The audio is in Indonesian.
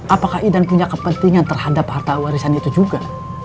apakah idan punya kepentingan terhadap harta warisan itu juga